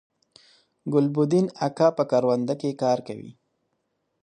ګلبدین اکا په کرونده کی کار کوي